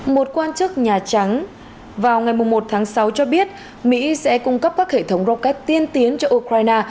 một quan chức nhà trắng vào ngày một tháng sáu cho biết mỹ sẽ cung cấp các hệ thống rocket tiên tiến cho ukraine